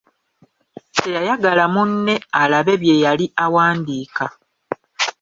Teyayagala munne alabe bye yali awandiika.